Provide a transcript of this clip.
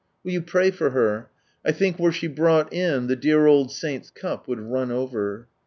Will you pray for her; I think were she brought in the dear old saint's cup would run over